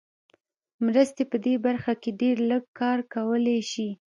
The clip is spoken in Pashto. مرستې په دې برخه کې ډېر لږ کار کولای شي.